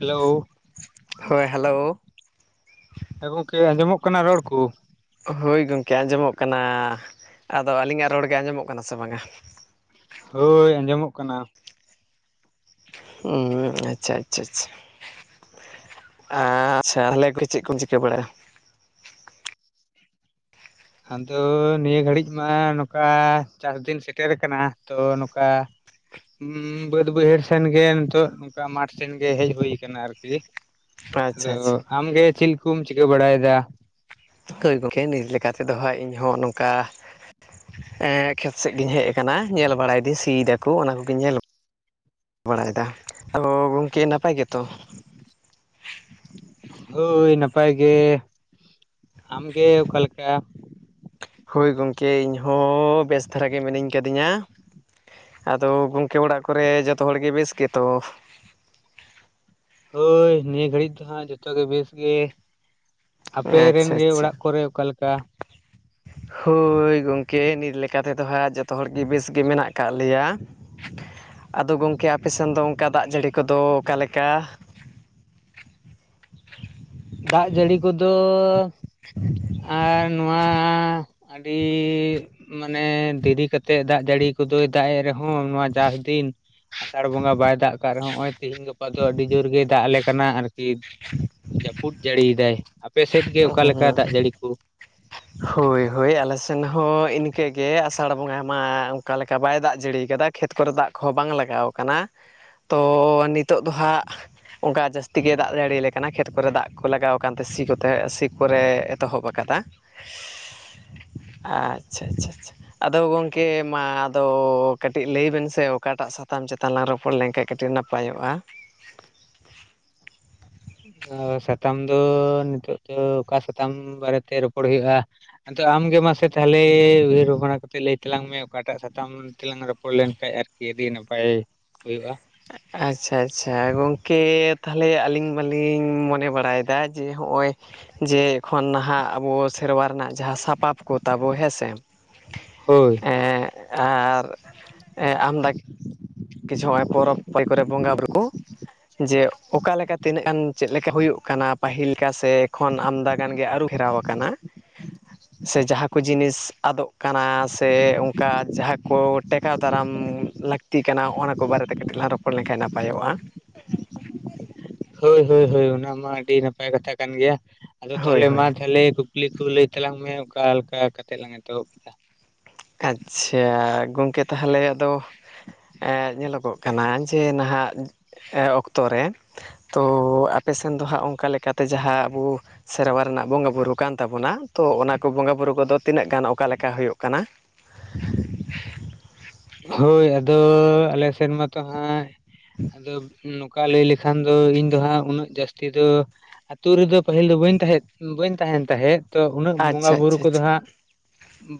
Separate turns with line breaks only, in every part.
Hello.
ᱦᱳᱭ hello.
ᱦᱮᱸ ᱜᱚᱝᱠᱮ ᱟᱸᱡᱚᱢᱚᱜ ᱠᱟᱱᱟ ᱨᱚᱲ ᱠᱚ?
ᱦᱳᱭ ᱜᱚᱢᱠᱮ ᱟᱸᱡᱚᱢᱚᱜ ᱠᱟᱱᱟ, ᱟᱫᱚ ᱟᱹᱞᱤᱧᱟᱜ ᱨᱚᱲ ᱜᱮ ᱟᱸᱡᱚᱢᱚᱜ ᱠᱟᱱᱟ ᱥᱮ ᱵᱟᱝᱟ?
ᱦᱳᱭ ᱟᱸᱡᱚᱢᱚᱜ ᱠᱟᱱᱟ᱾
ᱦᱩᱸ ᱟᱪᱪᱷᱟ ᱟᱪᱪᱷᱟ ᱟᱪᱪᱷᱟ᱾ ᱟᱪᱪᱷᱟ ᱛᱦᱟᱞᱮ ᱪᱮᱫ ᱠᱚᱢ ᱪᱤᱠᱟᱹ ᱵᱟᱲᱟᱭᱟ?
ᱟᱫᱚ ᱱᱤᱭᱟᱹ ᱜᱷᱟᱹᱲᱤᱡ ᱢᱟ ᱱᱚᱝᱠᱟ ᱪᱟᱥ ᱫᱤᱱ ᱥᱮᱴᱮᱨ ᱟᱠᱟᱱᱟ, ᱛᱚ ᱱᱚᱝᱠᱟᱼᱼ ᱩᱸ ᱵᱟᱹᱫᱽ ᱵᱟᱹᱭᱦᱟᱹᱲ ᱥᱮᱱ ᱜᱮ ᱱᱤᱛᱚᱜ ᱚᱱᱠᱟ ᱢᱟᱴᱷ ᱥᱮᱱ ᱜᱮ ᱦᱮᱡ ᱦᱩᱭ ᱟᱠᱟᱱᱟ ᱟᱨᱠᱤ᱾ ᱦᱮᱞᱳ,
ᱟᱪᱪᱷᱟ ᱟᱪᱪᱷᱟ
ᱟᱢᱜᱮ ᱪᱤᱞ ᱠᱚᱢ ᱪᱤᱠᱟᱹ ᱵᱟᱲᱟᱭᱮᱫᱟ?
[inaudible] ᱜᱚᱢᱠᱮ ᱱᱤᱛ ᱞᱮᱠᱟ ᱛᱮᱫᱚ ᱦᱟᱸᱜ ᱤᱧᱦᱚᱸ ᱱᱚᱝᱠᱟ ᱮᱸ ᱠᱷᱮᱛ ᱥᱮᱫ ᱜᱤᱧ ᱦᱮᱡ ᱟᱠᱟᱱᱟ ᱧᱮᱞ ᱵᱟᱲᱟᱭ ᱫᱟᱹᱧ, ᱥᱤ ᱫᱟᱠᱚ ᱚᱱᱟ ᱠᱚᱜᱮᱧ ᱧᱮᱞ ᱵᱟᱲᱟ ᱮᱫᱟ, ᱟᱫᱚ ᱜᱚᱢᱠᱮ ᱱᱟᱯᱟᱭ ᱜᱮᱛᱚ?
ᱦᱳᱭ ᱱᱟᱯᱟᱭ ᱜᱮ, ᱟᱢᱜᱮ ᱚᱠᱟᱞᱮᱠᱟ
ᱦᱳᱭ ᱜᱚᱢᱠᱮ ᱤᱧᱦᱚᱸ ᱵᱮᱥ ᱫᱷᱟᱨᱟ ᱜᱮ ᱢᱤᱱᱟᱹᱧ ᱠᱟᱹᱫᱤᱧᱟ᱾ ᱟᱫᱚ ᱜᱚᱢᱠᱮ ᱚᱲᱟᱜ ᱠᱚᱨᱮ ᱡᱚᱛᱚ ᱦᱚᱲ ᱜᱮ ᱵᱮᱥ ᱜᱮᱛᱚ?
ᱦᱳᱭ ᱱᱤᱭᱟᱹ ᱜᱷᱟᱹᱲᱤᱡ ᱫᱚ ᱦᱟᱸᱜ ᱡᱚᱛᱚ ᱜᱮ ᱵᱮᱥ ᱜᱮ᱾ ᱟᱯᱮ ᱨᱮᱱ
ᱟᱪᱪᱷᱟ
ᱜᱮ
ᱟᱪᱪᱷᱟ
ᱚᱲᱟᱜ ᱠᱚᱨᱮ ᱚᱠᱟ ᱞᱮᱠᱟ
ᱦᱳᱭ ᱜᱚᱝᱠᱮ ᱱᱤᱛ ᱞᱮᱠᱟ ᱛᱮᱫᱚ ᱦᱟᱸᱜ ᱡᱚᱛᱚ ᱦᱚᱲᱜᱮ ᱵᱮᱥ ᱜᱮ ᱢᱮᱱᱟᱜ ᱠᱟᱜ ᱞᱮᱭᱟ ᱟᱫᱚ ᱜᱚᱝᱠᱮ ᱟᱯᱮ ᱥᱮᱱ ᱫᱚ ᱚᱝᱠᱟ ᱫᱟᱜ ᱡᱟᱹᱲᱤ ᱠᱚᱫᱚ ᱚᱠᱟ ᱞᱮᱠᱟ
ᱫᱟᱜ ᱡᱟᱹᱲᱤ ᱠᱚᱫᱚ
[inaudible]
ᱟᱨ ᱱᱚᱣᱟ ᱟᱹᱰᱤ ᱢᱟᱱᱮ ᱫᱤᱨᱤ ᱠᱟᱛᱮᱫ ᱫᱟᱜ ᱡᱟᱹᱲᱤ ᱠᱚᱫᱚᱭ ᱫᱟᱜᱮᱜ ᱨᱮᱦᱚᱸ ᱱᱚᱣᱟ ᱪᱟᱥ ᱫᱤᱱ ᱟᱥᱟᱲ ᱵᱚᱸᱜᱟ ᱵᱟᱭ ᱫᱟᱜ ᱠᱟᱜ ᱨᱮᱦᱚᱸ ᱱᱚᱜᱼᱚᱭ ᱛᱤᱦᱤᱧ ᱜᱟᱯᱟ ᱜᱟᱯᱟ ᱫᱚ ᱟᱹᱰᱤ ᱡᱳᱨ ᱜᱮ ᱫᱟᱜ ᱟᱞᱮ ᱠᱟᱱᱟ ᱟᱨᱠᱤ
[inaudible]
ᱡᱟᱹᱯᱩᱫ ᱡᱟᱹᱲᱤ ᱮᱫᱟᱭ ᱟᱯᱮ ᱥᱮᱫ ᱜᱮ ᱚᱠᱟ ᱞᱮᱠᱟ ᱫᱟᱜ ᱡᱟᱹᱲᱤ ᱠᱚ
[inaudible] ᱦᱳᱭ ᱦᱳᱭ ᱟᱞᱮ ᱥᱮᱱ ᱦᱚᱸ ᱤᱱᱠᱟᱹ ᱜᱮ ᱟᱥᱟᱲ ᱵᱚᱸᱜᱟ ᱢᱟ ᱚᱱᱠᱟ ᱞᱮᱠᱟ ᱵᱟᱭ ᱫᱟᱜ ᱡᱟᱹᱲᱤ ᱟᱠᱟᱫᱟ ᱠᱷᱮᱛ ᱠᱚᱨᱮ ᱫᱟᱜ ᱠᱚᱦᱚᱸ ᱵᱟᱝ ᱞᱟᱜᱟᱣ ᱟᱠᱟᱱᱟ ᱛᱚ ᱱᱤᱛᱚᱜ ᱫᱚ ᱦᱟᱸᱜ ᱚᱱᱠᱟ ᱡᱟᱹᱥᱛᱤ ᱜᱮ ᱫᱟᱜ ᱡᱟᱹᱲᱤ ᱟᱞᱮ ᱠᱟᱱᱟ ᱠᱷᱮᱛ ᱠᱚᱨᱮ ᱫᱟᱜ ᱠᱚ ᱞᱟᱜᱟᱣ ᱟᱠᱟᱱ ᱛᱮ ᱥᱤ ᱥᱤ ᱠᱚᱨᱮ ᱮᱛᱚᱦᱚᱵ ᱟᱠᱟᱫᱟ ᱟᱪᱪᱷᱟ ᱟᱪᱪᱷᱟ ᱟᱪᱪᱷᱟ ᱟᱫᱚ ᱜᱚᱝᱠᱮ ᱢᱟ ᱟᱫᱚ ᱠᱟᱹᱴᱤᱡ ᱞᱟᱹᱭ ᱵᱮᱱ ᱥᱮ ᱚᱠᱟ ᱴᱟᱜ ᱥᱟᱛᱟᱢ ᱪᱮᱛᱟᱱ ᱞᱟᱝ ᱨᱚᱯᱚᱲ ᱞᱮᱱ ᱠᱷᱟᱱ ᱠᱟᱹᱴᱤᱡ ᱱᱟᱯᱟᱭᱚᱜᱼᱟ
ᱚ ᱥᱟᱛᱟᱢ ᱫᱚ ᱱᱤᱛᱚᱜ ᱫᱚ ᱚᱠᱟ ᱥᱟᱛᱟᱢ ᱵᱟᱨᱮ ᱛᱮ ᱨᱚᱯᱚᱲ ᱦᱩᱭᱩᱜᱼᱟ ᱟᱫᱚ ᱟᱢᱜᱮ ᱢᱟᱥᱮ ᱛᱟᱦᱞᱮ ᱩᱭᱦᱟᱹᱨ ᱵᱷᱟᱵᱽᱱᱟ ᱠᱟᱛᱮ ᱞᱟᱹᱭ ᱛᱟᱞᱟᱝ ᱢᱮ ᱚᱠᱟ ᱴᱟᱜ ᱥᱟᱛᱟᱢ ᱛᱮᱞᱟᱝ ᱨᱚᱯᱚᱲ ᱞᱮᱱᱠᱟᱱ ᱟᱨᱠᱤ ᱟᱹᱰᱤ ᱱᱟᱯᱟᱭ ᱦᱩᱭᱩᱜᱼᱟ
ᱟᱪᱪᱷᱟ ᱟᱪᱪᱷᱟ ᱜᱚᱝᱠᱮ ᱛᱟᱦᱞᱮ ᱟᱹᱞᱤᱧ ᱢᱟ ᱞᱤᱧ ᱢᱚᱱᱮ ᱵᱟᱲᱟᱭ ᱮᱫᱟ ᱡᱮ ᱦᱚᱜᱼᱚᱭ ᱡᱮ ᱮᱠᱷᱚᱱ ᱱᱷᱟᱜ ᱟᱵᱚ ᱥᱮᱨᱣᱟ ᱨᱮᱱᱟᱜ ᱡᱟᱦᱟᱸ ᱥᱟᱯᱟᱵ ᱠᱚ ᱛᱟᱵᱚ ᱦᱮᱸᱥᱮ
ᱦᱳᱭ
ᱮ‌ᱸᱻ ᱟᱨ ᱟᱢ [unintelligible] ᱠᱤᱪᱩ ᱱᱚᱜᱼᱚᱭ ᱯᱚᱨᱚᱵᱽ [unintelligible] ᱠᱚᱨᱮ ᱵᱚᱸᱜᱟ ᱵᱩᱨᱩ ᱠᱚ ᱡᱮ ᱚᱠᱟ ᱞᱮᱠᱟ ᱛᱤᱱᱟᱹᱜ ᱜᱟᱱ ᱪᱮᱫ ᱞᱮᱠᱟ ᱦᱩᱭᱩᱜ ᱠᱟᱱᱟ ᱯᱟᱹᱦᱤᱞ ᱞᱮᱠᱟ ᱥᱮ ᱮᱠᱷᱚᱱ ᱟᱢᱫᱟ ᱜᱟᱱ ᱜᱮ ᱟᱹᱨᱩ ᱯᱷᱮᱨᱟᱣ ᱟᱠᱟᱱᱟ ᱥᱮ ᱡᱟᱦᱟᱸ ᱠᱚ ᱡᱤᱱᱤᱥ ᱟᱫᱚᱜ ᱠᱟᱱᱟ ᱥᱮ ᱠᱟ ᱡᱟᱦᱟᱸ ᱠᱚ ᱴᱮᱠᱟᱣ ᱫᱟᱨᱟᱢ ᱞᱟᱹᱠᱛᱤ ᱠᱟᱱᱟ ᱚᱱᱟ ᱠᱚ ᱵᱟᱨᱮ ᱛᱮ ᱠᱟᱹᱴᱤᱡ ᱞᱟᱝ ᱨᱚᱯᱚᱲᱟ [unintelligible] ᱞᱮᱱ ᱠᱷᱟᱡ ᱱᱟᱯᱟᱭᱚᱜᱼᱟ
ᱦᱳᱭ ᱦᱳᱭ ᱦᱳᱭ ᱚᱱᱟ ᱢᱟ ᱟᱹᱰᱤ ᱱᱟᱯᱟᱭ ᱠᱟᱛᱷᱟ ᱠᱟᱱ ᱜᱮᱭᱟ ᱟᱫᱚ
ᱦᱳᱭ
ᱛᱟᱦᱞᱮ
ᱦᱳᱭ
ᱢᱟ ᱛᱟᱦᱞᱮ ᱠᱩᱠᱞᱤ ᱠᱚ ᱞᱟᱹᱭ ᱛᱟᱞᱟᱝ ᱢᱮ ᱚᱠᱟ ᱞᱮᱠᱟ ᱠᱟᱛᱮᱫ ᱞᱟᱝ ᱮᱛᱚᱦᱚᱵ ᱮᱫᱟ
ᱟᱪᱪᱷᱟ ᱜᱚᱝᱠᱮ ᱛᱟᱦᱞᱮ ᱟᱫᱚ ᱧᱮᱞᱚᱜᱚᱜ ᱠᱟᱱᱟ ᱡᱮ ᱱᱟᱦᱟᱜ ᱚᱠᱛᱚ ᱨᱮ ᱛᱚ ᱟᱯᱮ ᱥᱮᱱ ᱫᱚ ᱦᱟᱸᱜ ᱚᱱᱠᱟ ᱞᱮᱠᱟ ᱛᱮ ᱡᱟᱸᱦᱟ ᱟᱵᱚ ᱥᱮᱨᱣᱟ ᱨᱮᱱᱟᱜ ᱵᱚᱸᱜᱟ ᱵᱩᱨᱩ ᱠᱟᱱ ᱛᱟᱵᱚᱱᱟ ᱛᱚ ᱚᱱᱟ ᱠᱚ ᱵᱚᱸᱜᱟ ᱵᱩᱨᱩ ᱠᱚᱫᱚ ᱛᱤᱱᱟᱹᱜ ᱜᱟᱱ ᱚᱠᱟ ᱞᱮᱠᱟ ᱦᱳᱭᱳᱜ ᱠᱟᱱᱟ? [inaudible]
ᱦᱳᱭ ᱟᱫᱚ ᱟᱞᱮ ᱥᱮᱫᱱ ᱢᱟᱛᱚ ᱦᱟᱸᱜ ᱟᱫᱚ ᱱᱚᱝᱠᱟ ᱞᱟᱹᱭ ᱞᱮᱠᱷᱟᱱ ᱫᱚ ᱤᱧ ᱫᱚ ᱦᱟᱸᱜ ᱩᱱᱟᱹᱜ ᱡᱟᱹᱥᱛᱤ ᱫᱚ ᱟᱹᱛᱩ ᱨᱮᱫᱚ ᱯᱟᱹᱦᱤᱞ ᱫᱚ ᱵᱟᱹᱧ ᱛᱟᱦᱮᱱ ᱛᱟᱦᱮᱸᱫ ᱛᱚ ᱩᱱᱟᱹᱜ ᱵᱚᱸᱜᱟ
ᱟᱪᱪᱷᱟ
ᱵᱩᱨᱩ
ᱟᱪᱪᱷᱟ
ᱠᱚᱫᱚ
ᱟᱪᱪᱷᱟ
ᱦᱟᱸᱜ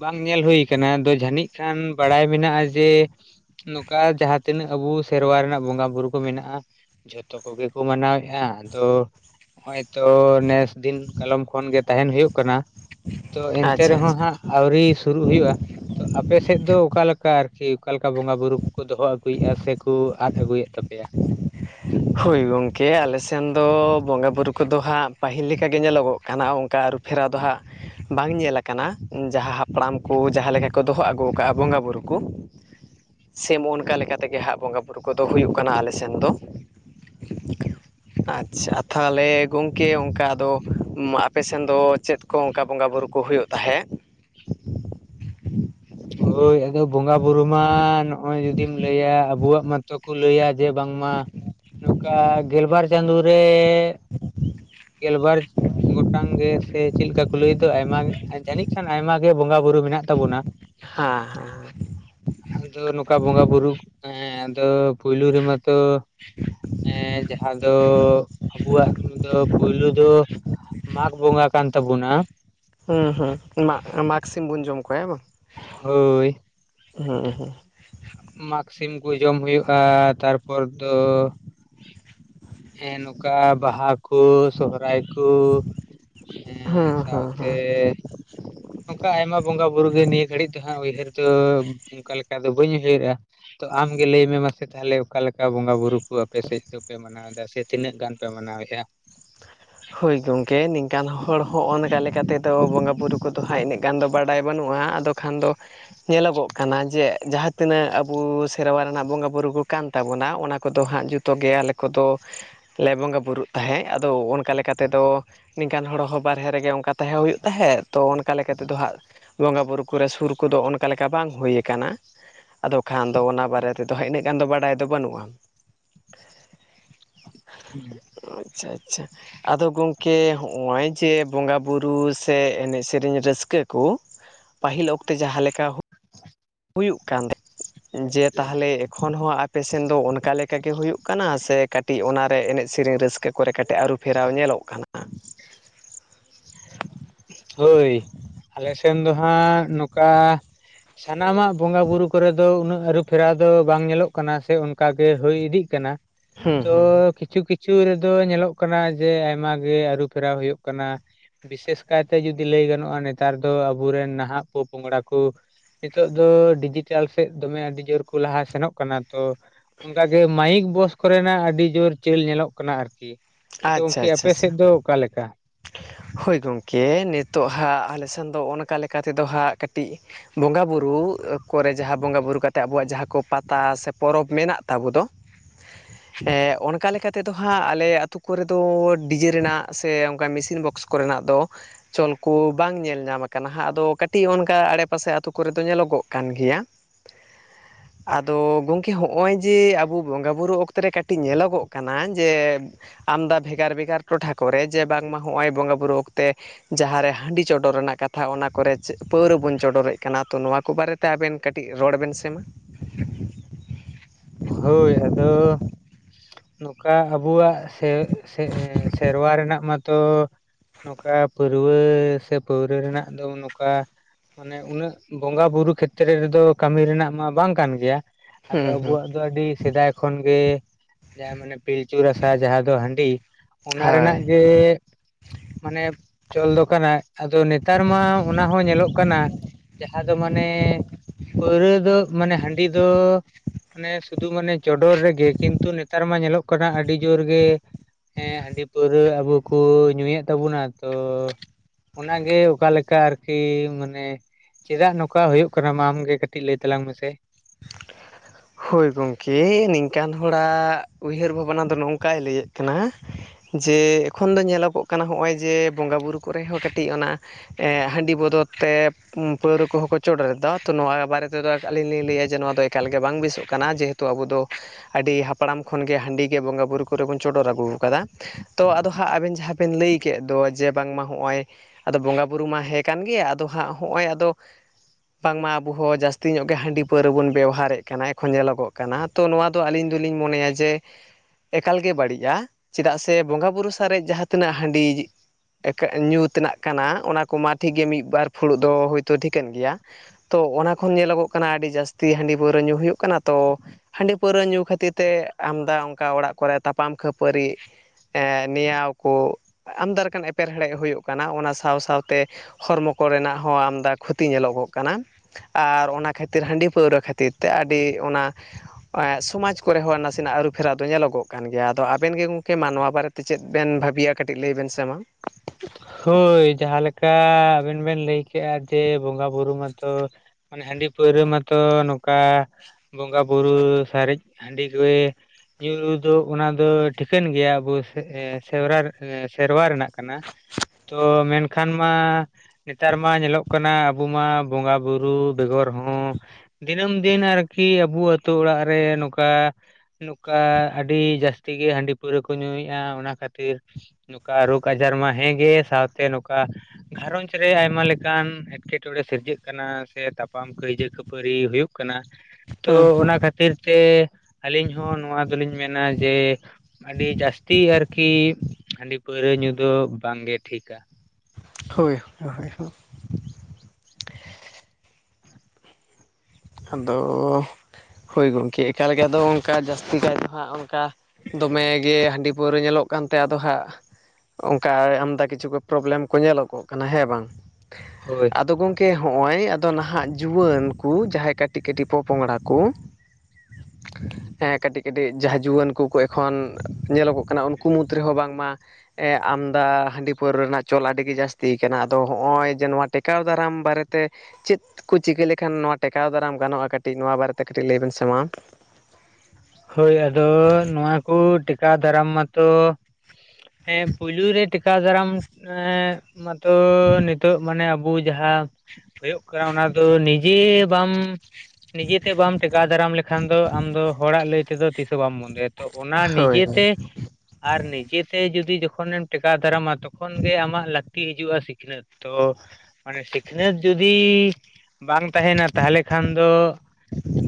ᱵᱟᱝ ᱧᱮᱞ ᱦᱩᱭᱩ ᱠᱟᱱᱟ ᱟᱫᱚ ᱡᱟᱹᱱᱤᱡ ᱠᱷᱟᱱ ᱵᱟᱲᱟᱭ ᱢᱮᱱᱟᱜᱼᱟ ᱡᱮ ᱱᱚᱝᱠᱟ ᱡᱟᱸᱦᱟ ᱛᱤᱱᱟᱹᱜ ᱟᱵᱚ ᱥᱮᱨᱣᱟ ᱨᱮᱱᱟᱜ ᱵᱚᱸᱜᱟ ᱵᱩᱨᱩ ᱠᱚ ᱢᱮᱱᱟᱜᱼᱟ᱾ ᱡᱚᱛᱚ ᱠᱚᱜᱮ ᱠᱚ ᱢᱟᱱᱟᱣᱮᱜᱼᱟ ᱟᱫᱚ ᱱᱚᱜᱼᱚᱭ ᱛᱚ ᱱᱮᱥ ᱫᱤᱱ ᱠᱟᱞᱚᱢ ᱠᱷᱚᱱ ᱜᱮ ᱛᱟᱦᱮᱱ ᱦᱳᱭᱳᱜ ᱠᱟᱱᱟ ᱛᱚ ᱮᱱᱛᱮ
ᱟᱪᱪᱷᱟ
ᱨᱮᱦᱚᱸ
ᱟᱪᱪᱷᱟ
ᱦᱟᱸᱜ ᱟᱹᱣᱨᱤ ᱥᱩᱨᱩᱜ ᱦᱳᱭᱳᱜᱼᱟ ᱛᱚ ᱟᱯᱮ ᱥᱮᱫ ᱫᱚ ᱚᱠᱟ ᱞᱮᱠᱟ? ᱥᱮ ᱚᱠᱟ ᱞᱮᱠᱟ ᱵᱚᱸᱜᱟ ᱵᱩᱨᱩ ᱠᱚ ᱫᱚᱦᱚ ᱟᱹᱜᱩᱭᱮᱜᱼᱟ ᱥᱮᱠᱚ ᱟᱫ ᱟᱹᱜᱩᱭᱮᱫ ᱛᱟᱯᱮ ᱭᱟ᱾
ᱦᱳᱭ ᱜᱚᱝᱠᱮ ᱟᱞᱮ ᱥᱮᱱ ᱫᱚ ᱵᱚᱸᱜᱟᱼᱵᱩᱨᱩ ᱠᱚᱫᱚ ᱦᱟᱸᱜ ᱯᱟᱹᱦᱤᱞ ᱞᱮᱠᱟᱜᱮ ᱧᱮᱞᱚᱜᱚᱜ ᱠᱟᱱᱟ ᱚᱱᱠᱟ ᱟᱹᱨᱩ ᱯᱷᱮᱨᱟᱣ ᱫᱚ ᱦᱟᱸᱜ ᱵᱟᱝ ᱧᱮᱞ ᱟᱠᱟᱱᱟ ᱡᱟᱸᱦᱟ ᱦᱟᱯᱲᱟᱢ ᱠᱚ ᱡᱟᱸᱦᱟ ᱞᱮᱠᱟ ᱠᱚ ᱫᱚᱦᱚ ᱟᱹᱜᱩ ᱠᱟᱜᱼᱟ ᱵᱚᱸᱜᱟᱼᱵᱩᱨᱩ ᱠᱚ᱾ ᱥᱮᱢ ᱱᱚᱝᱠᱟ ᱞᱮᱠᱟ ᱛᱮᱜᱮ ᱦᱟᱸᱜ ᱵᱚᱸᱜᱟ ᱵᱩᱨᱩ ᱠᱚᱫᱚ ᱦᱩᱭᱩᱜ ᱠᱟᱱᱟ ᱟᱞᱮ ᱥᱮᱱ ᱫᱚ᱾ ᱟᱪᱪᱷᱟ ᱛᱟᱦᱚᱞᱮ ᱜᱚᱝᱠᱮ ᱚᱱᱠᱟ ᱟᱫᱚ ᱢᱟ ᱟᱯᱮ ᱥᱮᱱ ᱫᱚ ᱪᱮᱫ ᱠᱚ ᱚᱱᱠᱟ ᱵᱚᱸᱜᱟᱼᱵᱩᱨᱩ ᱠᱚ ᱦᱩᱭᱩᱜ ᱛᱟᱦᱮᱸ?
ᱦᱳᱭ ᱟᱫᱚ ᱵᱚᱸᱜᱟ ᱵᱩᱨᱩ ᱢᱟ ᱱᱚᱜᱼᱚᱭ ᱡᱩᱫᱤᱢ ᱞᱟᱹᱭᱟ ᱟᱵᱚᱣᱟᱜ ᱢᱟ ᱛᱚ ᱠᱚ ᱞᱟᱹᱭᱟ ᱡᱮ ᱵᱟᱝᱢᱟ ᱱᱚᱝᱠᱟ ᱜᱮᱞᱵᱟᱨ ᱪᱟᱸᱫᱳ ᱨᱮᱻ᱾ ᱜᱮᱞᱵᱟᱨ ᱜᱚᱴᱟᱝ ᱜᱮ ᱥᱮ ᱪᱮᱫ ᱞᱮᱠᱟ ᱞᱟᱹᱭ ᱫᱚ ᱟᱭᱢᱟ ᱡᱟᱹᱱᱤᱡ ᱠᱷᱟᱱ ᱟᱭᱢᱟ ᱜᱮ ᱵᱚᱸᱜᱟ ᱵᱩᱨᱩ ᱢᱮᱱᱟᱜ ᱛᱟᱵᱚᱱᱟᱹ ᱾
ᱦᱟᱸ ᱦᱟᱸ ᱦᱟᱸ
ᱟᱫᱚ ᱱᱚᱝᱠᱟ ᱵᱚᱸᱜᱟ ᱵᱩᱨᱩ ᱦᱮᱸ ᱟᱫᱚ ᱯᱩᱭᱞᱳ ᱨᱮᱢᱟ ᱛᱚ ᱦᱮᱸ ᱡᱟᱦᱟᱸ ᱫᱚ ᱟᱵᱚᱣᱟᱜ ᱫᱚ ᱯᱳᱭᱞᱳ ᱫᱚ ᱢᱟᱜᱽ ᱵᱚᱸᱜᱟ ᱠᱟᱱ ᱛᱟᱵᱚᱱᱟ᱾
ᱦᱩᱸ ᱢᱟᱜ ᱢᱟᱜᱽ ᱥᱤᱢ ᱵᱚᱱ ᱡᱚᱢ ᱠᱚᱣᱟ ᱦᱮᱸ ᱵᱟᱝ?
ᱦᱳᱭ
ᱦᱩᱸ ᱦᱩᱸ
ᱢᱟᱜᱽ ᱥᱤᱢ ᱠᱚ ᱡᱚᱢ ᱦᱩᱭᱩᱜᱼᱟ ᱛᱟᱨᱯᱚᱨ ᱫᱚᱻ ᱦᱮᱸ ᱱᱚᱝᱠᱟ ᱵᱟᱦᱟ ᱠᱚ ᱥᱚᱦᱨᱟᱭ ᱠᱚ ᱦᱮᱸ
ᱦᱩᱸ ᱦᱩᱸ
ᱥᱟᱶᱛᱮ
ᱦᱩᱸ
ᱱᱚᱝᱠᱟ ᱟᱭᱢᱟ ᱵᱚᱸᱜᱟ ᱵᱩᱨᱩ ᱜᱮ ᱱᱤᱭᱟᱹ ᱜᱷᱟᱹᱲᱤᱡ ᱫᱚᱦᱟᱸᱜ ᱩᱭᱦᱟᱹᱨ ᱫᱚ ᱚᱱᱠᱟ ᱞᱮᱠᱟ ᱫᱚ ᱵᱟᱹᱧ ᱩᱭᱟᱹᱨ᱾ ᱦᱩᱭᱩᱜᱼᱟ ᱛᱚ ᱟᱢ ᱜᱮ ᱞᱟᱹᱭᱢᱮ ᱢᱟᱥᱮ ᱛᱟᱦᱚᱞᱮ ᱚᱠᱟᱮ ᱞᱮᱠᱟ ᱵᱚᱸᱜᱟ ᱵᱩᱨᱩ ᱠᱚ ᱟᱯᱮ ᱥᱮᱫ ᱫᱚᱯᱮ ᱢᱟᱱᱟᱣᱮᱫᱟ ᱥᱮ? ᱛᱤᱱᱟᱹᱜ ᱜᱟᱱ ᱯᱮ ᱢᱟᱱᱟᱣᱮᱫᱼᱟ᱾
ᱦᱳᱭ ᱜᱚᱝᱠᱮ ᱱᱤᱝᱠᱟᱱ ᱦᱚᱲ ᱦᱚᱸᱼᱚᱱ ᱱᱚᱝᱠᱟ ᱞᱮᱠᱟ ᱞᱮᱠᱟᱛᱮ ᱛᱮᱫᱚ ᱵᱚᱸᱜᱟ ᱵᱩᱨᱩ ᱩᱱᱠᱩ ᱫᱚ ᱦᱟᱸᱜ ᱤᱱᱟᱹᱜ ᱜᱟᱱ ᱫᱚ ᱵᱟᱰᱟᱭ ᱵᱟᱹᱱᱩᱜᱼᱟ ᱟᱫᱚ ᱠᱷᱟᱱ ᱫᱚ ᱧᱮᱞᱚᱜᱚᱜ ᱠᱟᱱᱟ ᱡᱮ ᱡᱟᱦᱟᱸ ᱛᱤᱱᱟᱹᱜ ᱟᱵᱚ ᱥᱮᱨᱣᱟ ᱨᱮᱱᱟᱜ ᱵᱚᱸᱜᱟ ᱵᱩᱨᱤ ᱠᱚ ᱠᱟᱱ ᱛᱟᱵᱚᱱᱟ ᱚᱱᱟ ᱠᱚᱫᱚ ᱦᱟᱸᱜ ᱡᱩ ᱚᱠᱛᱚ ᱜᱮ ᱟᱞᱮ ᱠᱚᱫᱚ ᱞᱮ ᱵᱚᱸᱜᱟ ᱵᱩᱨᱩᱜ ᱛᱟᱦᱮᱸ ᱟᱫᱚ ᱚᱱᱠᱟ ᱞᱮᱠᱟ᱾ ᱞᱮᱠᱟᱛᱮᱫᱚ ᱱᱤᱝᱠᱟᱱ ᱦᱚᱲ ᱦᱚᱸ ᱵᱟᱨᱦᱮ ᱨᱮᱜᱮ ᱚᱱᱠᱟ ᱛᱟᱦᱮᱸ ᱦᱩᱭᱩᱜ ᱛᱟᱦᱮᱸᱫ ᱛᱚ ᱚᱱᱠᱟ ᱞᱮᱠᱟᱛᱮᱫᱚ ᱦᱟᱸᱜ ᱵᱚᱸᱜᱟ ᱵᱩᱨᱩ ᱠᱚᱨᱮ ᱥᱩᱨ ᱠᱚᱫᱚ ᱚᱱᱠᱟ ᱞᱮᱠᱟ ᱵᱟᱝ ᱦᱩᱭᱩ ᱟᱠᱟᱱᱟ᱾ ᱟᱫᱚ ᱠᱷᱟᱱ ᱫᱚ ᱚᱱᱟ ᱵᱟᱨᱮ ᱛᱮᱫᱚ ᱦᱟᱸᱜ ᱤᱱᱟᱹᱜ ᱜᱟᱱ ᱫᱚ ᱵᱟᱰᱟᱭ ᱫᱚ ᱵᱟᱹᱱᱩᱜᱼᱟ᱾ ᱦ [unintelligible]
ᱦᱩᱸ [unintelligible]
ᱟᱪᱪᱷᱟ ᱟᱪᱪᱷᱟ ᱟᱫᱚ ᱜᱚᱝᱠᱮ ᱦᱚᱜᱼᱚᱭ ᱪᱮ ᱵᱚᱸᱜᱟ ᱵᱩᱨᱩ ᱥᱮ ᱮᱱᱮᱡ ᱥᱮᱨᱮᱧ ᱨᱟᱹᱥᱠᱟᱹ ᱠᱚ ᱯᱟᱹᱦᱤᱞ ᱚᱠᱛᱮ ᱡᱟᱦᱟᱸ ᱞᱮᱠᱟ ᱦᱩᱭ ᱦᱩᱭᱩᱜ ᱠᱟᱱ ᱡᱮ ᱛᱟᱦᱚᱞᱮ ᱮᱠᱷᱚᱱ ᱦᱚᱸ ᱟᱯᱮ ᱥᱮᱫ ᱥᱮᱱ ᱫᱚ ᱚᱱᱠᱟ ᱞᱮᱠᱟ ᱜᱮ ᱦᱩᱭᱩᱜ ᱠᱟᱱᱟ ᱥᱮ ᱠᱟᱹᱴᱤᱡ ᱚᱱᱟᱨᱮ ᱮᱱᱮᱡ ᱥᱮᱨᱮᱧ ᱨᱟᱹᱥᱠᱟᱹ ᱠᱚᱨᱮ ᱠᱟᱹᱴᱤᱡ ᱟᱹᱨᱩ ᱯᱷᱮᱨᱟᱣ ᱧᱮᱞᱚᱜ ᱠᱟᱱᱟ?
ᱦᱳᱭ ᱟᱞᱮᱥᱮᱱ ᱫᱚ ᱦᱟᱸᱜ ᱱᱚᱝᱠᱟ᱾ ᱥᱟᱱᱟᱢᱟᱜ ᱵᱚᱸᱜᱟ ᱵᱩᱨᱩ ᱠᱚᱨᱮᱫ ᱫᱚ ᱩᱱᱟᱹᱜ ᱟᱹᱨᱩ ᱯᱷᱮᱨᱟᱣ ᱫᱚ ᱵᱟᱝ ᱧᱮᱞᱚᱜ ᱠᱟᱱᱟ ᱥᱮ ᱚᱱᱠᱟ ᱜᱮ ᱦᱩᱭ ᱤᱫᱤᱜ ᱠᱟᱱᱟ᱾
ᱦᱩᱸ
ᱛᱚ
ᱦᱩᱸ
[unintelligible] ᱠᱤᱪᱷᱩ ᱠᱤᱪᱷᱩ ᱨᱮᱫᱚ ᱧᱮᱞᱚᱜ ᱠᱟᱱᱟ ᱡᱮ ᱟᱭᱢᱟ ᱜᱮ ᱟᱹᱨᱩ ᱯᱷᱮᱨᱟᱣ ᱦᱩᱭᱩᱜ ᱠᱟᱱᱟ ᱵᱤᱥᱮᱥ ᱠᱟᱭᱛᱮ ᱡᱩᱫᱤ ᱞᱟᱹᱭ ᱜᱟᱱᱚᱜᱼᱟ ᱱᱮᱛᱟᱨ ᱫᱚ ᱟᱵᱚᱨᱮᱱ ᱱᱟᱦᱟᱜ ᱯᱚᱯᱚᱝᱲᱟ ᱠᱚ ᱱᱤᱛᱚᱜ ᱫᱚ ᱰᱤᱡᱤᱴᱟᱞ ᱥᱮᱫ ᱫᱚᱢᱮ ᱟᱹᱰᱤ ᱡᱳᱨ ᱠᱚ ᱞᱟᱦᱟ ᱥᱮᱱᱚᱜ ᱠᱟᱱᱟ ᱛᱚ ᱚᱱᱠᱟᱜᱮ ᱢᱟᱭᱤᱠ ᱵᱚᱥ ᱠᱚᱨᱮᱱᱟᱜ ᱟᱹᱰᱤ ᱡᱳᱨ ᱪᱟᱹᱞ ᱧᱮᱞᱚᱜ ᱠᱟᱱᱟ ᱟᱨᱠᱤ ᱟᱫᱚ
ᱟᱪᱪᱷᱟ
ᱜᱚᱝᱠᱤ
ᱟᱪᱪᱷᱟ
ᱟᱯᱮ
ᱟᱪᱪᱷᱟ
ᱥᱮᱫ ᱫᱚ ᱚᱠᱟᱞᱮᱠᱟ
ᱦᱳᱭ ᱜᱚᱢᱠᱮ ᱱᱤᱛᱚᱜ ᱦᱟᱸᱜ ᱟᱞᱮ ᱥᱮᱱ ᱫᱚ ᱚᱱᱠᱟ ᱞᱮᱠᱟ ᱛᱮᱫᱚ ᱦᱟᱸᱜ ᱠᱟᱹᱴᱤᱡ ᱵᱚᱸᱜᱟ ᱵᱩᱨᱩ ᱠᱚᱨᱮ ᱡᱟᱦᱟᱸ ᱵᱚᱸᱜᱟᱼ ᱵᱩᱨᱩ ᱠᱟᱛᱮᱫ ᱟᱵᱚᱣᱟᱜ ᱡᱟᱦᱟᱸ ᱠᱚ ᱯᱟᱛᱟ ᱥᱮ ᱯᱚᱨᱚᱵᱽ ᱢᱮᱱᱟᱜ ᱛᱟᱵᱚ ᱫᱚ [unintelligible] ᱚᱱᱠᱟ ᱞᱮᱠᱟ ᱛᱮᱫᱚ ᱦᱟᱸᱜ ᱟᱞᱮ ᱟᱛᱳ ᱠᱚᱨᱮ ᱫᱚ ᱰᱤᱡᱮ ᱨᱮᱱᱟᱜ ᱥᱮ ᱚᱱᱠᱟ ᱢᱮᱥᱤᱱ ᱵᱚᱠᱥ ᱠᱚᱨᱮᱱᱟᱜ ᱫᱚ ᱪᱚᱞ ᱠᱚ ᱵᱟᱝ ᱧᱮᱞ ᱧᱟᱢ ᱟᱠᱟᱱᱟ ᱦᱟᱸᱜ ᱟᱫᱚ ᱠᱟᱹᱴᱤᱡ ᱚᱱᱠᱟ ᱟᱲᱮ ᱯᱟᱥᱮ ᱟᱛᱳ ᱠᱚᱨᱮ ᱫᱚ ᱧᱮᱞᱚᱜᱚᱜ ᱠᱟᱱ ᱜᱮᱭᱟ [unintelligible] ᱟᱫᱚ ᱜᱚᱢᱠᱮ ᱦᱚᱜ ᱚᱭ ᱡᱮ ᱟᱵᱚ ᱵᱚᱸᱜᱟ ᱵᱩᱨᱩ ᱚᱠᱛᱮ ᱨᱮ ᱠᱟᱹᱴᱤᱡ ᱧᱮᱞᱚᱜᱚᱜ ᱠᱟᱱᱟ ᱡᱮ ᱟᱢᱫᱟ ᱵᱷᱮᱜᱟᱨ ᱵᱷᱮᱜᱟᱨ ᱴᱚᱴᱷᱟ ᱠᱚᱨᱮ ᱡᱮ ᱵᱟᱝᱢᱟ ᱦᱚᱸᱜᱼᱚᱭ ᱵᱚᱸᱜᱟᱼᱵᱩᱨᱩ ᱚᱠᱛᱮ ᱡᱟᱦᱟᱸᱨᱮ ᱦᱟᱺᱰᱤ ᱪᱚᱰᱚᱨ ᱨᱮᱱᱟᱜ ᱠᱟᱛᱷᱟ ᱚᱱᱟ ᱠᱚᱨᱮ ᱪᱮᱜ ᱯᱟᱹᱣᱨᱟᱹ ᱵᱚᱱ ᱪᱚᱰᱚᱨᱮᱜ ᱠᱟᱱᱟ ᱛᱚ ᱱᱚᱣᱟ ᱠᱚ ᱵᱟᱨᱮᱛᱮ ᱛᱮ ᱟᱵᱮᱱ ᱠᱟᱹᱴᱤᱡ ᱨᱚᱲ ᱵᱮᱱ ᱥᱮᱢᱟ
ᱦᱳᱭ ᱟᱫᱚ ᱱᱚᱠᱟ ᱟᱵᱚᱣᱟᱜ ᱥᱮᱨᱣᱟ ᱨᱮᱱᱟᱜ ᱢᱟᱛᱚ ᱱᱚᱠᱟ ᱯᱟᱹᱨᱩᱣᱟᱹ ᱥᱮ ᱯᱟᱹᱣᱨᱟᱹ ᱨᱮᱱᱟᱜ ᱫᱚ ᱱᱚᱠᱟ ᱢᱟᱱᱮ ᱩᱱᱟᱹᱜ ᱵᱚᱸᱜᱟ ᱵᱩᱨᱩ ᱠᱷᱮᱛᱨᱮ ᱨᱮᱫᱚ ᱠᱟᱹᱢᱤ ᱨᱮᱱᱟᱜ ᱢᱟ ᱵᱟᱝ ᱠᱟᱱ ᱜᱮᱭᱟ ᱟᱫᱚ
ᱦᱩᱸ ᱦᱩᱸ
ᱟᱵᱚᱣᱟᱜ ᱫᱚ ᱟᱹᱰᱤ ᱥᱮᱫᱟᱭ ᱠᱷᱚᱱ ᱜᱮ ᱡᱟᱦᱟᱸ ᱢᱟᱱᱮ ᱯᱤᱞᱪᱩ ᱨᱟᱥᱟ ᱡᱟᱦᱟᱸ ᱫᱚ ᱦᱟᱺᱰᱤ ᱚᱱᱟ
ᱦᱳᱭ
ᱨᱮᱱᱟᱜ ᱜᱮ ᱢᱟᱱᱮ ᱪᱚᱞ ᱫᱚ ᱠᱟᱱᱟ ᱟᱫᱚ ᱱᱮᱛᱟᱨ ᱢᱟ ᱚᱱᱟ ᱦᱚᱸ ᱧᱮᱞᱚᱜ ᱠᱟᱱᱟ ᱡᱟᱦᱟᱸ ᱫᱚ ᱢᱟᱱᱮ ᱯᱟᱹᱣᱨᱟᱹ ᱫᱚ ᱢᱟᱱᱮ ᱦᱟᱺᱰᱤ ᱫᱚ ᱢᱟᱱᱮ ᱥᱩᱫᱷᱩ ᱢᱟᱱᱮ ᱪᱚᱰᱚᱨ ᱨᱮᱜᱮ ᱠᱤᱱᱛᱩ ᱱᱮᱛᱟᱨ ᱢᱟ ᱧᱮᱞᱚᱜ ᱠᱟᱱᱟ ᱟᱹᱰᱤ ᱡᱳᱨ ᱜᱮ ᱦᱮᱸ ᱦᱟᱺᱰᱤ ᱯᱟᱹᱣᱨᱟᱹ ᱟᱵᱚ ᱠᱚ ᱧᱩᱭᱮᱫ ᱛᱟᱵᱚᱱᱟ ᱛᱚ ᱚᱱᱟᱜᱮ ᱚᱠᱟᱞᱮᱠᱟ ᱟᱨᱠᱤ ᱢᱟᱱᱮ ᱪᱮᱫᱟᱜ ᱱᱚᱠᱟ ᱦᱩᱭᱩᱜ ᱠᱟᱱᱟ ᱢᱟ ᱟᱢᱜᱮ ᱠᱟᱹᱴᱤᱡ ᱞᱟᱹᱭ ᱛᱟᱞᱟᱝ ᱢᱮᱥᱮ
ᱦᱳᱭ ᱜᱚᱝᱠᱮ ᱱᱤᱝᱠᱟᱱ ᱦᱚᱲᱟᱜ ᱩᱭᱦᱟᱹᱨ ᱵᱷᱟᱵᱽᱱᱟ ᱫᱚ ᱱᱚᱝᱠᱟᱭ ᱞᱟᱹᱭᱮᱜ ᱠᱟᱱᱟ ᱡᱮ ᱮᱠᱷᱚᱱ ᱫᱚ ᱧᱮᱞᱚᱜᱚᱜ ᱠᱟᱱᱟ ᱦᱚᱸᱜᱼᱚᱭ ᱡᱮ ᱵᱚᱸᱜᱟᱼᱵᱩᱨᱩ ᱠᱚᱨᱮ ᱦᱚᱸ ᱠᱟᱹᱴᱤᱡ ᱚᱱᱟ ᱦᱟᱺᱰᱤ ᱵᱚᱫᱚᱞ ᱛᱮ ᱯᱟᱹᱣᱨᱟᱹ ᱠᱚᱦᱚᱸ ᱠᱚ ᱪᱚᱰᱚᱨ ᱮᱫᱟ ᱛᱚ ᱱᱚᱣᱟ ᱵᱟᱨᱮ ᱛᱮᱫᱚ ᱟᱞᱤᱧ ᱞᱤᱧ ᱞᱟᱹᱭᱟ ᱡᱮ ᱱᱚᱣᱟ ᱫᱚ ᱮᱠᱟᱞᱜᱮ ᱵᱟᱝ ᱵᱮᱥ ᱚᱜ ᱠᱟᱱᱟ ᱡᱮᱦᱮᱛᱩ ᱟᱵᱚ ᱫᱚ ᱟᱹᱰᱤ ᱦᱟᱯᱲᱟᱢ ᱠᱷᱚᱱᱜᱮ ᱦᱟᱺᱰᱤ ᱜᱮ ᱵᱚᱸᱜᱟᱼ ᱵᱩᱨᱩ ᱠᱚᱨᱮ ᱵᱚᱱ ᱪᱚᱰᱚᱨ ᱟᱹᱜᱩ ᱟᱠᱟᱫᱟ ᱛᱚ ᱟᱫᱚ ᱦᱟᱸᱜ ᱟᱵᱮᱱ ᱡᱟᱦᱟᱸ ᱵᱮᱱ ᱞᱟᱹᱭ ᱠᱮᱜ ᱫᱚ ᱡᱮ ᱵᱟᱝᱢᱟ ᱦᱚᱜᱼᱚᱭ ᱟᱫᱚ ᱵᱚᱸᱜᱟᱼ ᱵᱩᱨᱩ ᱢᱟ ᱦᱮᱸ ᱠᱟᱱ ᱜᱮᱭᱟ ᱟᱫᱚ ᱦᱟᱸᱜ ᱦᱚᱸᱜᱼᱚᱭ ᱟᱫᱚ ᱵᱟᱝᱢᱟ ᱟᱵᱚ ᱦᱚᱸ ᱡᱟᱹᱥᱛᱤ ᱧᱚᱜ ᱜᱮ ᱦᱟᱺᱰᱤ ᱯᱟᱹᱣᱨᱟᱹ ᱵᱚᱱ ᱵᱮᱣᱦᱟᱨᱮᱜ ᱠᱟᱱᱟ ᱠᱷᱚᱱ ᱧᱮᱞᱚᱜᱚᱜ ᱠᱟᱱᱟ ᱛᱚ ᱱᱚᱣᱟ ᱫᱚ ᱟᱹᱞᱤᱧ ᱫᱩᱞᱤᱧ ᱢᱚᱱᱮᱭᱟ ᱡᱮ ᱮᱠᱟᱞ ᱜᱮ ᱵᱟᱹᱲᱤᱡᱼᱟ ᱪᱮᱫᱟᱜ ᱥᱮ ᱵᱚᱸᱜᱟ ᱵᱩᱨᱩ ᱥᱟᱨᱮᱡ ᱡᱟᱦᱟᱸ ᱛᱤᱱᱟᱹᱜ ᱦᱟᱺᱰᱤ ᱮᱠᱟᱞ ᱧᱩ ᱛᱮᱱᱟᱜ ᱠᱟᱱᱟ ᱚᱱᱟ ᱠᱚᱢᱟ ᱴᱷᱤᱠ ᱜᱮ ᱢᱤᱜᱵᱟᱨ ᱯᱷᱩᱲᱩᱜ ᱫᱚ ᱦᱚᱭᱛᱳ ᱴᱷᱤᱠᱟᱹᱱ ᱜᱮᱭᱟ ᱛᱚ ᱚᱱᱟ ᱠᱷᱚᱱ ᱧᱮᱞᱚᱜᱚᱜ ᱠᱟᱱᱟ ᱟᱹᱰᱤ ᱡᱟᱹᱥᱛᱤ ᱦᱟᱺᱰᱤ ᱯᱟᱹᱣᱨᱟᱹ ᱧᱩ ᱦᱩᱭᱩᱜ ᱠᱟᱱᱟ ᱛᱚ ᱦᱟᱺᱰᱤ ᱯᱟᱹᱣᱨᱟᱹ ᱧᱩ ᱠᱷᱟᱹᱛᱤᱨ ᱛᱮ ᱟᱢᱫᱟ ᱚᱝᱠᱟ ᱚᱲᱟᱜ ᱠᱚᱨᱮ ᱛᱟᱯᱟᱢ ᱠᱷᱟᱹᱯᱟᱹᱨᱤ ᱮᱸ ᱱᱤᱭᱟᱹᱣ ᱠᱚ ᱟᱢᱫᱟ ᱞᱮᱠᱟᱱ ᱮᱯᱮᱨ ᱦᱮᱲᱮᱜ ᱦᱩᱭᱩᱜ ᱠᱟᱱᱟ ᱚᱱᱟ ᱥᱟᱶ ᱥᱟᱶᱛᱮ ᱦᱚᱲᱢᱚ ᱠᱚᱨᱮᱱᱟᱜ ᱦᱚᱸ ᱟᱢᱫᱟ ᱠᱷᱚᱛᱤ ᱧᱮᱞᱚᱜᱚᱜ ᱠᱟᱱᱟ ᱟᱨ ᱚᱱᱟ ᱠᱷᱟᱹᱛᱤᱨ ᱦᱟᱺᱰᱤ ᱯᱟᱹᱣᱨᱟᱹ ᱠᱷᱟᱹᱛᱤᱨ ᱛᱮ ᱟᱹᱰᱤ ᱚᱱᱟ, ᱥᱚᱢᱟᱡᱽ ᱠᱚᱨᱮ ᱦᱚᱸ ᱱᱟᱥᱮᱱᱟᱜ ᱟᱹᱨᱩᱼ ᱯᱷᱮᱨᱟᱣ ᱫᱚ ᱧᱮᱞᱚᱜᱚᱜ ᱠᱟᱱ ᱜᱮᱭᱟ ᱟᱫᱚ ᱟᱵᱮᱱ ᱜᱮ ᱜᱚᱝᱠᱮ ᱢᱟ ᱱᱚᱣᱟ ᱵᱟᱨᱮ ᱛᱮ ᱪᱮᱫ ᱵᱮᱱ ᱵᱷᱟᱹᱵᱜᱼᱟ ᱠᱟᱹᱴᱤᱡ ᱞᱟᱹᱭ ᱵᱮᱱ ᱥᱮᱢᱟ
ᱦᱳᱭ ᱡᱟᱦᱟᱸᱞᱮᱠᱟ ᱟᱵᱮᱱ ᱵᱮᱱ ᱞᱟᱹᱭ ᱠᱮᱫᱮᱜᱼᱟ ᱡᱮ ᱵᱚᱸᱜᱟ ᱵᱩᱨᱩ ᱢᱟᱛᱚ ᱢᱟᱱᱮ ᱦᱟᱺᱰᱤ ᱯᱟᱹᱣᱨᱟᱹ ᱢᱟᱛᱚ ᱱᱚᱠᱟ ᱵᱚᱸᱜᱟ ᱵᱩᱨᱩ ᱥᱟᱨᱮᱡ ᱦᱟᱺᱰᱤ ᱜᱮ ᱧᱩ ᱫᱚ ᱚᱱᱟ ᱫᱚ ᱴᱷᱤᱠᱟᱹᱱ ᱜᱮᱭᱟ ᱟᱵᱚ ᱥᱮᱜ ᱥᱮᱣᱨᱟ ᱨᱮ ᱥᱮᱨᱣᱟ ᱨᱮᱱᱟᱜ ᱠᱟᱱᱟ
[unintelligible]
ᱛᱚ ᱢᱮᱱᱠᱷᱟᱱ ᱢᱟ ᱱᱮᱛᱟᱨ ᱢᱟ ᱧᱮᱞᱚᱜ ᱠᱟᱱᱟ, ᱟᱵᱚ ᱢᱟ ᱵᱚᱸᱜᱟ ᱵᱩᱨᱩ ᱵᱮᱜᱚᱨ ᱦᱚᱸ ᱫᱤᱱᱟᱹᱢ ᱫᱤᱱ ᱟᱨᱠᱤ ᱟᱵᱩ ᱟᱹᱛᱩ ᱚᱲᱟᱜ ᱨᱮ ᱱᱚᱠᱟ ᱱᱚᱠᱟ ᱟᱹᱰᱤ ᱡᱟᱹᱰᱤ ᱡᱟᱹᱥᱛᱤ ᱜᱮ ᱦᱟᱺᱰᱤ ᱯᱟᱹᱣᱨᱟᱹ ᱠᱚ ᱧᱩᱭᱮᱜᱼᱟ ᱚᱱᱟ ᱠᱷᱟᱹᱛᱤᱨ, ᱱᱚᱠᱟ ᱨᱳᱜᱽ ᱟᱡᱟᱨ ᱢᱟ ᱦᱮᱸᱜᱮ ᱥᱟᱶᱛᱮ ᱱᱚᱠᱟ ᱜᱷᱟᱨᱚᱸᱡᱽ ᱨᱮ ᱟᱭᱢᱟ ᱞᱮᱠᱟᱱ, ᱮᱸᱴᱠᱮᱴᱚᱬᱮ ᱥᱤᱨᱡᱟᱹᱜ ᱠᱟᱱᱟ ᱥᱮ ᱛᱟᱯᱟᱢ ᱠᱟᱹᱭᱡᱟᱹ ᱠᱷᱟᱹᱯᱟᱹᱨᱤ ᱦᱩᱭᱩᱜ ᱠᱟᱱᱟ᱾ ᱛᱚ
ᱦᱩᱸ
ᱚᱱᱟ ᱠᱷᱟᱹᱛᱤᱨ ᱛᱮ ᱟᱹᱞᱤᱧ ᱦᱚᱸ ᱱᱚᱣᱟ ᱫᱚᱞᱤᱧ ᱢᱮᱱᱟ ᱡᱮ, ᱟᱹᱰᱤ ᱡᱟᱹᱥᱛᱤ ᱟᱨᱠᱤ ᱦᱟᱺᱰᱤ ᱯᱟᱹᱣᱨᱟᱹ ᱧᱩ ᱫᱚ ᱵᱟᱝᱜᱮ ᱴᱷᱤᱠᱟ,
ᱦᱳᱭ ᱦᱳᱭ ᱦᱳᱭ,
[inaudible]
ᱟᱫᱚ ᱦᱳᱭ ᱜᱚᱝᱠᱮ ᱮᱠᱟᱞᱜᱮ ᱟᱫᱚ ᱚᱝᱠᱟ ᱡᱟᱹᱥᱛᱤ ᱠᱟᱭ ᱫᱚ ᱦᱟᱸᱜ ᱚᱱᱠᱟ, ᱫᱚᱢᱮ ᱜᱮ ᱦᱟᱺᱰᱤ ᱯᱟᱹᱣᱨᱟᱹ ᱧᱮᱞᱚᱜ ᱠᱟᱱᱛᱮ ᱟᱫᱚ ᱦᱟᱸᱜ ᱚᱝᱠᱟ ᱟᱢᱫᱟ ᱠᱤᱪᱷᱩ ᱠᱚ ᱯᱨᱚᱵᱞᱮᱢ ᱠᱚ ᱧᱮᱞᱚᱜᱚᱜ ᱠᱟᱱᱟ ᱦᱮᱸ ᱵᱟᱝ?
ᱦᱳᱹᱭ ᱾
ᱟᱫᱚ ᱜᱚᱢᱠᱮ ᱦᱚᱜᱼᱚᱭ ᱟᱫᱚ ᱱᱟᱦᱟᱜ ᱡᱩᱣᱟᱹᱱ ᱠᱚ ᱡᱟᱦᱟᱸᱭ ᱠᱟᱹᱴᱤᱡ ᱠᱟᱹᱴᱤᱡ ᱯᱚᱼᱯᱚᱝᱲᱟ ᱠᱚ ᱾ [unintelligible] ᱦᱮᱸ ᱠᱟᱹᱴᱤᱡ ᱠᱟᱹᱴᱤᱡ ᱡᱟᱦᱟᱸ ᱡᱩᱣᱟᱹᱱ ᱠᱚᱠᱚ ᱮᱠᱷᱚᱱ ᱧᱮᱞᱚᱜ ᱚᱜ ᱠᱟᱱᱟ ᱩᱱᱠᱩ ᱢᱩᱫᱽ ᱨᱮᱦᱚᱸ ᱵᱟᱝ ᱢᱟ ᱾ ᱟᱢᱫᱟ ᱦᱟᱺᱰᱤ ᱯᱟᱹᱣᱨᱟᱹ ᱨᱮᱱᱟᱜ ᱪᱚᱞ ᱟᱹᱰᱤᱜᱮ ᱡᱟᱹᱥᱛᱤᱭ ᱠᱟᱱᱟ ᱟᱫᱚ ᱦᱚᱜᱼᱚᱭ ᱡᱮ ᱱᱚᱣᱟ ᱾ ᱴᱮᱠᱟᱣ ᱫᱟᱨᱟᱢ ᱵᱟᱨᱮᱛᱮ ᱪᱮᱫ ᱠᱚ ᱪᱤᱠᱟᱹ ᱞᱮᱠᱷᱟᱱ ᱱᱚᱣᱟ ᱴᱮᱠᱟ ᱴᱮᱠᱟᱣ ᱫᱟᱨᱟᱢ ᱜᱟᱱᱚᱜᱼᱟ ᱠᱟᱹᱴᱤᱡ ᱱᱚᱣᱟ ᱵᱟᱨᱮ ᱛᱮ ᱠᱟᱹᱴᱤᱡ ᱞᱟᱹᱭᱵᱮᱱ ᱥᱮ ᱢᱟ ᱾
ᱦᱳᱹᱭ ᱟᱫᱚ ᱱᱚᱣᱟ ᱠᱚ ᱴᱮᱠᱟᱣ ᱫᱟᱨᱟᱢ ᱢᱟᱛᱚ ᱾ ᱦᱮᱸ ᱯᱩᱸᱭᱞᱩ ᱨᱮ ᱴᱮᱠᱟᱣ ᱫᱟᱨᱟᱢ ᱾ ᱮ ᱢᱟᱛᱚ ᱱᱤᱛᱚᱜ ᱢᱟᱱᱮ ᱟᱵᱚ ᱡᱟᱦᱟᱸ ᱾ ᱦᱩᱭᱳᱜ ᱠᱟᱱᱟ ᱚᱱᱟ ᱫᱚ ᱱᱤᱡᱮ ᱵᱟᱢ ᱱᱤᱡᱮ ᱛᱮ ᱵᱟᱢ ᱴᱮᱠᱟᱣ ᱫᱟᱨᱟᱢ ᱞᱮᱠᱷᱟᱱ ᱫᱚ ᱟᱢ ᱫᱚ ᱾ ᱛᱮᱫᱚ ᱛᱤᱥ ᱦᱚᱸ ᱵᱟᱢ ᱵᱚᱱᱫᱚᱭᱟ ᱛᱚ ᱚᱱᱟ
ᱦᱳᱭ ᱦᱳᱭ
ᱱᱤᱡᱮᱛᱮ ᱟᱨ ᱱᱤᱡᱮᱛᱮ ᱡᱩᱫᱤ ᱡᱚᱠᱷᱚᱱᱮᱢ ᱴᱮᱠᱟᱣ ᱫᱟᱨᱟᱢᱟ ᱛᱚᱠᱷᱚᱱ ᱜᱮ ᱟᱢᱟᱜ ᱞᱟᱹᱠᱛᱤ ᱦᱤᱡᱩᱜᱼᱟ ᱥᱤᱠᱷᱱᱟᱹᱛ ᱛᱚ ᱢᱟᱱᱮ ᱥᱤᱠᱷᱱᱟᱹᱛ ᱡᱩᱫᱤ, ᱵᱟᱝ ᱛᱟᱸᱦᱮᱱᱟ ᱛᱟᱦᱚᱞᱮ ᱠᱷᱟᱱ ᱫᱚ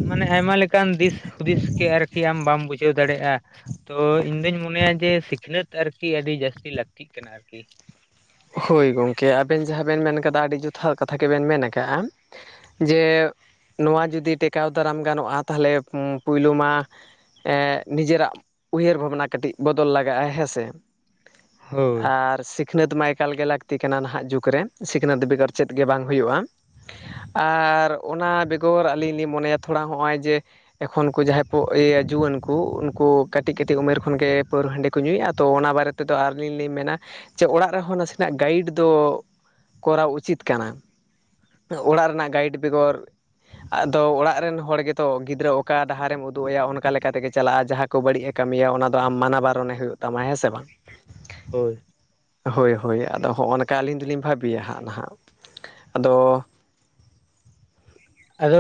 ᱢᱟᱱᱮ ᱟᱭᱢᱟ ᱞᱮᱠᱟᱱ ᱫᱤᱥ ᱾ ᱦᱩᱫᱤᱥ ᱠᱤ ᱟᱨᱠᱤ ᱟᱢ ᱵᱟᱢ ᱵᱩᱡᱷᱟᱹᱣ ᱫᱟᱲᱮᱭᱟᱜᱼᱟ ᱾ ᱛᱚᱸ ᱤᱧ ᱫᱚᱧ ᱢᱚᱱᱮᱭᱟ ᱡᱮ ᱥᱤᱠᱷᱱᱟᱹᱛ ᱟᱨᱠᱤ ᱟᱹᱰᱤ ᱡᱟᱹᱥᱛᱤ ᱞᱟᱹᱠᱛᱤᱜ ᱠᱟᱱᱟ ᱟᱨᱠᱤ ᱾
ᱦᱳᱭ ᱜᱚᱢᱠᱮ ᱟᱹᱵᱮᱱ ᱡᱟᱦᱟᱸ ᱵᱮᱱ ᱢᱮᱱ ᱠᱟᱫᱟ ᱟᱹᱰᱤ ᱡᱚᱛᱷᱟᱛ ᱠᱟᱛᱷᱟ ᱜᱮᱵᱮᱱ ᱢᱮᱱ ᱟᱠᱟᱜᱼᱟ ᱾ ᱡᱮ ᱱᱚᱣᱟ ᱡᱩᱫᱤ ᱴᱮᱠᱟᱣ ᱫᱟᱨᱟᱢ ᱜᱟᱱᱚᱜᱼᱟ ᱛᱟᱦᱚᱞᱮ ᱯᱳᱭᱞᱳ ᱢᱟ ᱾ ᱮᱜ ᱱᱤᱡᱮ ᱨᱟᱜ ᱩᱭᱦᱟᱹᱨ ᱵᱷᱟᱵᱽᱱᱟ ᱠᱟᱹᱴᱤᱡ ᱵᱚᱫᱚᱞ ᱞᱟᱜᱟᱜᱼᱟ ᱦᱮᱸᱥᱮ
ᱦᱳᱭ
᱾ ᱟᱨ ᱥᱤᱠᱷᱱᱟᱹᱛ ᱢᱟᱭ ᱾ ᱮᱠᱟᱞ ᱜᱮ ᱞᱟᱹᱠᱛᱤ ᱠᱟᱱᱟ ᱱᱟᱦᱟᱜ ᱡᱩᱜᱽ ᱨᱮ ᱥᱤᱠᱷᱱᱟᱹᱛ ᱵᱮᱜᱚᱨ ᱪᱮᱫ ᱜᱮ ᱵᱟᱝ ᱦᱩᱸᱭᱩᱜᱼᱟ ᱾ ᱟᱨ ᱚᱱᱟ ᱵᱮᱜᱚᱨ ᱟᱹᱞᱤᱧ ᱞᱤᱧ ᱢᱚᱱᱮᱭᱟ ᱛᱷᱚᱲᱟ ᱦᱚᱸᱜᱼᱚᱭ ᱡᱮ ᱾ ᱮᱠᱷᱚᱱᱠᱩ ᱡᱟᱦᱟᱸᱭ ᱠᱚ ᱤᱭᱟᱹ ᱡᱩᱣᱟᱹᱱ ᱠᱚ ᱠᱷᱚᱱ ᱠᱚ ᱡᱟᱦᱟᱭ ᱠᱚ ᱩᱱᱠᱩ ᱠᱟᱹᱴᱤᱡ ᱠᱟᱹᱴᱤᱡ ᱩᱢᱮᱨ ᱠᱷᱚᱱᱜᱮ ᱯᱟᱹᱨᱣᱟᱹ ᱦᱟᱺᱰᱤ ᱠᱚ ᱧᱩᱭᱮᱫᱼᱟ ᱛᱚ ᱚᱱᱟ ᱵᱟᱨᱮ ᱛᱮ ᱾ ᱛᱮ ᱫᱚ ᱟᱨᱞᱤᱧ ᱞᱤᱧ ᱢᱮᱱᱟ ᱚᱲᱟᱜ ᱨᱮᱦᱚᱸ ᱱᱟᱥᱮᱱᱟᱜ ᱾ ᱜᱟᱭᱤᱰ ᱫᱚ ᱠᱚᱨᱟᱣ ᱩᱪᱤᱛ ᱠᱟᱱᱟ ᱾ ᱚᱲᱟᱜ ᱨᱮ ᱱᱟᱜ ᱜᱟᱭᱤᱰ ᱵᱮᱜᱚᱨ ᱾ ᱟᱫᱚ ᱚᱲᱟᱜ ᱨᱮᱱ ᱦᱚᱲ ᱜᱮᱛᱚ ᱜᱤᱫᱽᱨᱟᱹ ᱚᱠᱟ ᱰᱟᱦᱟᱨᱮᱢ ᱩᱫᱩᱜ ᱟᱭᱟ ᱚᱱᱠᱟ ᱛᱮᱜᱮ ᱪᱟᱞᱟᱜᱼᱟ ᱡᱟᱦᱟᱸ ᱾ ᱠᱚ ᱵᱟᱹᱲᱤᱡ ᱮ ᱠᱟᱹᱢᱤᱭᱟ ᱚᱱᱟ ᱫᱚ ᱟᱢ ᱢᱟᱱᱟ ᱵᱟᱨᱚᱱᱮ ᱦᱩᱭᱩᱜ ᱛᱟᱢᱟ ᱦᱮᱸ ᱥᱮ ᱵᱟᱝ ᱾
ᱦᱳᱭ ᱾
ᱦᱳᱭ ᱾ ᱦᱳᱹᱭ ᱟᱫᱚ ᱦᱚᱜᱼᱚᱱ ᱠᱟ ᱱᱚᱝᱠᱟ ᱟᱞᱤᱧ ᱫᱚᱞᱤᱧ ᱵᱷᱟᱹᱵᱤᱭᱟ ᱦᱟᱸᱜ ᱱᱟᱦᱟᱜ ᱟᱫᱚ ᱾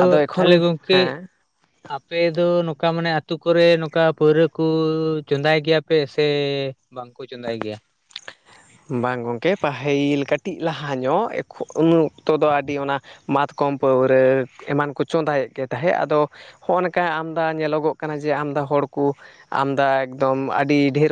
ᱟᱫᱚ ᱮᱠᱷᱚᱱ
ᱛᱟᱦᱚᱞᱮ ᱜᱚᱝᱠᱮ
ᱦᱮᱸ ᱾
ᱟᱯᱮ ᱫᱚ ᱱᱚᱝᱠᱟ ᱢᱟᱱᱮ ᱟᱛᱳ ᱠᱚᱨᱮ ᱱᱚᱝᱠᱟ ᱯᱟᱹᱣᱨᱟᱹ ᱠᱚ ᱪᱚᱸᱫᱟᱭ ᱜᱮᱭᱟ ᱯᱮ ᱥᱮ ᱵᱟᱝ ᱠᱚ ᱾ [inaudible] ᱪᱚᱸᱫᱟᱭ ᱜᱮᱭᱟ ᱾
ᱵᱟᱝ ᱜᱚᱢᱠᱮ ᱯᱟᱹᱦᱤᱞ ᱠᱟᱹᱴᱤᱡ ᱞᱟᱦᱟ ᱧᱚᱜ ᱮᱠᱷᱚᱱ ᱩᱱ ᱚᱠᱛᱚ ᱫᱚ ᱟᱹᱰᱤ ᱚᱱᱟ ᱾ ᱢᱟᱛᱠᱚᱢ ᱯᱟᱹᱣᱨᱟᱹ ᱮᱢᱟᱱ ᱠᱚ ᱪᱚᱸᱫᱟᱭᱮᱫ ᱜᱮ ᱛᱟᱦᱮᱸᱜ ᱟᱫᱚ ᱦᱚᱜᱼ ᱱᱚᱝᱠᱟ ᱟᱢᱫᱟ ᱧᱮᱞᱚᱜᱚ ᱠᱟᱱᱟ ᱡᱮ ᱟᱢᱫᱟ ᱦᱚᱲ ᱠᱚ ᱟᱢᱫᱟ ᱮᱠᱫᱚᱢ ᱟᱹᱰᱤ ᱰᱷᱮᱨ